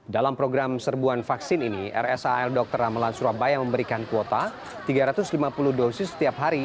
dalam program serbuan vaksin ini rsal dr ramelan surabaya memberikan kuota tiga ratus lima puluh dosis setiap hari